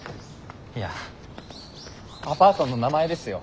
いやアパートの名前ですよ。